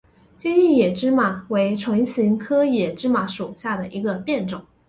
坚硬野芝麻为唇形科野芝麻属下的一个变种。